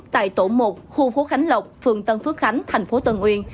tại tổ một khu phố khánh lộc phường tân phước khánh thành phố tân uyên